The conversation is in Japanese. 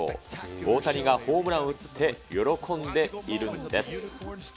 大谷がホームランを打って、喜んでいるんです。